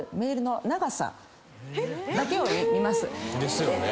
ですよね。